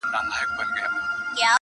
• په دې هیله چي کامله مي ایمان سي..